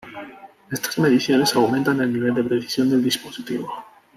Estas mediciones aumentan el nivel de precisión del dispositivo.